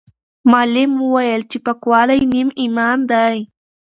معلم وویل چې پاکوالی نیم ایمان دی.